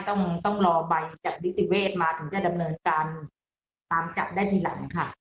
ต้องต้องรอใบจากนิติเวศมาถึงจะดำเนินการตามจับได้ทีหลังค่ะ